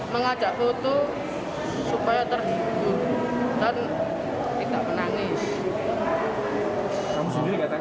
mengajak foto supaya terhibur dan tidak menangis